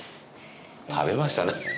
食べましたね。